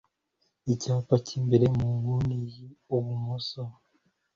ku cyapa cy imbere mu nguni y ibumoso